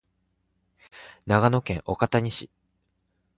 長野県岡谷市